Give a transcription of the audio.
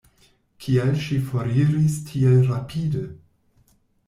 Kial ŝi foriris tiel rapide?